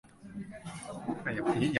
予想に反してテストの点数は良かった